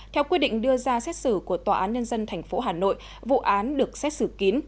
theo quy định đưa ra xét xử của tòa án nhân dân thành phố hà nội vụ án được xét xử kín